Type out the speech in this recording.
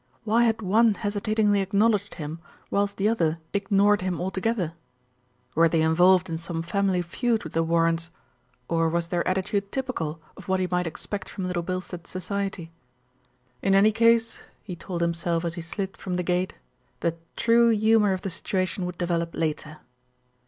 Why had one hesitatingly acknowledged him, whilst the other ignored him altogether? Were they involved LITTLE BILSTEAD RECEIVES A SHOCK 73 in some family feud with the Warrens, or was their attitude typical of what he might expect from Little Bilstead society? In any case, he told himself as he slid from the gate, the true humour of the situation would develop later.